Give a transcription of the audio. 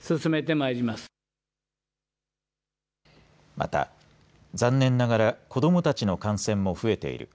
また残念ながら子どもたちの感染も増えている。